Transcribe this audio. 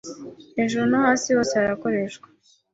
hejuru no hasi hose harakoreshwa